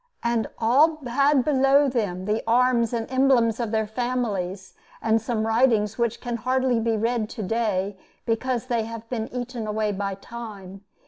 And all had below them the arms and emblems of their families, and some writings which can hardly be read to day because they have been eaten away by time.